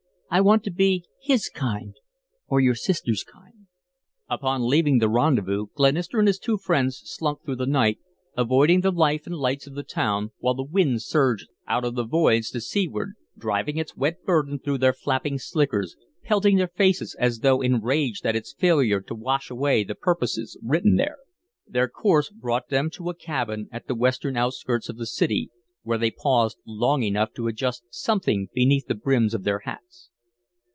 I want to be his kind or your sister's kind." Upon leaving the rendezvous, Glenister and his two friends slunk through the night, avoiding the life and lights of the town, while the wind surged out of the voids to seaward, driving its wet burden through their flapping slickers, pelting their faces as though enraged at its failure to wash away the purposes written there. Their course brought them to a cabin at the western outskirts of the city, where they paused long enough to adjust something beneath the brims of their hats.